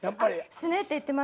すねって言ってましたね。